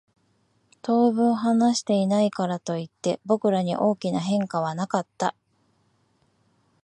当分話していないからといって、僕らに大きな変化はなかった。